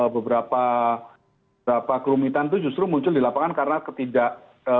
beberapa kerumitan itu justru muncul di lapangan karena ketidak